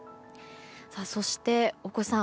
そして、大越さん